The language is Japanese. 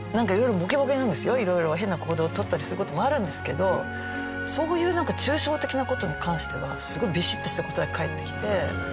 いろいろ変な行動を取ったりする事もあるんですけどそういうなんか抽象的な事に関してはすごいビシッとした答え返ってきて。